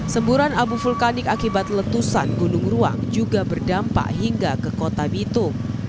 semburan abu vulkanik akibat letusan gunung ruang juga berdampak hingga ke kota bitu